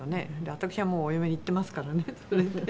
私はもうお嫁に行ってますからね。